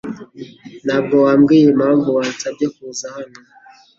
Ntabwo wambwiye impamvu wansabye kuza hano.